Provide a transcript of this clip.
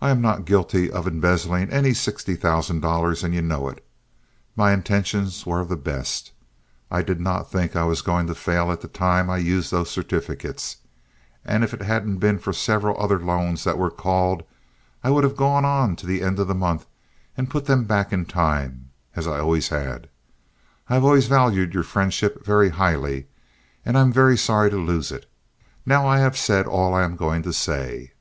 I am not guilty of embezzling any sixty thousand dollars, and you know it. My intentions were of the best. I did not think I was going to fail at the time I used those certificates, and if it hadn't been for several other loans that were called I would have gone on to the end of the month and put them back in time, as I always had. I have always valued your friendship very highly, and I am very sorry to lose it. Now I have said all I am going to say."